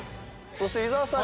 そして伊沢さん